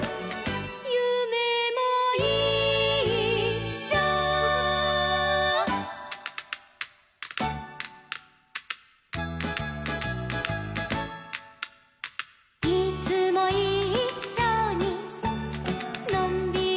「ゆめもいっしょ」「いつもいっしょにのんびりいこうよ」